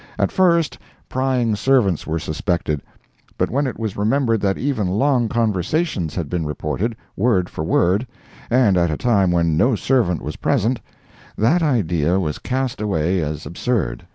At first prying servants were suspected, but when it was remembered that even long conversations had been reported, word for word, and at a time when no servant was present, that idea was cast away as absurd.